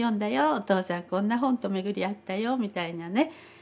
お父さんこんな本と巡り合ったよみたいなね